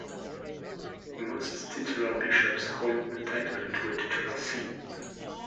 Most titular bishops hold the title to a titular see.